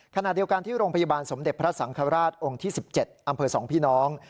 ขณะเดียวกันที่โรงพยาบาลสมเด็จพระสังฆราชองค์ที่๑๗อำเภอ๒พี่น้อง